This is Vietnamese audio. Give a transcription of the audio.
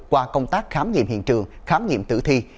qua công tác khám nghiệm hiện trường khám nghiệm tử thi